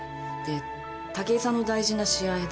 で武居さんの大事な試合